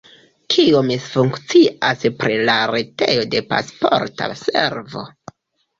Kio misfunkcias pri la retejo de Pasporta Servo?